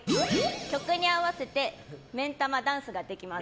曲に合わせて目ん玉ダンスができます。